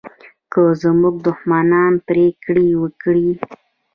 که زموږ دښمنان پرېکړه وکړي